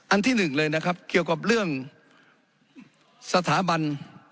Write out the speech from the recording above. ที่หนึ่งเลยนะครับเกี่ยวกับเรื่องสถาบัน